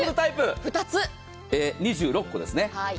２６個ですね。